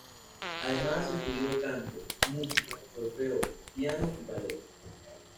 Además estudió canto, música, solfeo, piano y ballet.